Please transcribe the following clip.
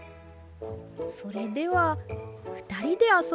それではふたりであそびますか？